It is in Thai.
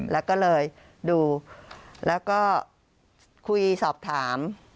แล้วก็เลยดูแล้วก็คุยสอบถาม